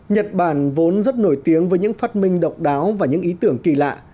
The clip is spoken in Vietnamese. nhật bản vốn rất nổi tiếng với những phát minh độc đáo và những ý tưởng kỳ lạ